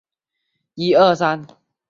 设有跨站式站房。